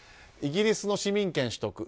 イギリスの市民権取得